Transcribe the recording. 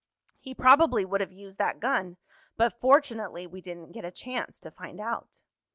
"He probably would have used that gun, but fortunately we didn't get a chance to find out."